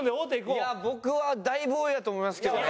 いや僕はだいぶ上やと思いますけどね。